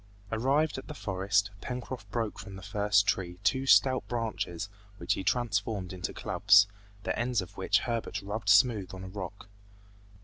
Arrived at the forest, Pencroft broke from the first tree two stout branches which he transformed into clubs, the ends of which Herbert rubbed smooth on a rock.